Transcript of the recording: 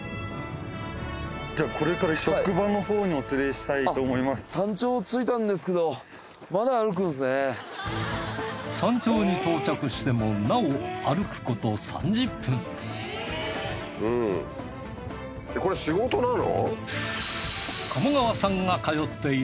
しかしいったい山頂に到着してもなお歩くこと３０分えっこれ仕事なの？